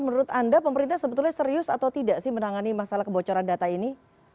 menurut anda pemerintah sebetulnya serius atau tidak sih menangani masalah kebocoran data ini